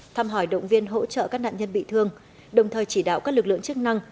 thăm hỏi động viên hỗ trợ các nạn nhân bị thương đồng thời chỉ đạo các lực lượng chức năng